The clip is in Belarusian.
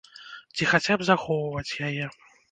Ці хаця б захоўваць яе.